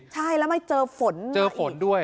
ใช่แล้วไม่เจอฝนมาอีก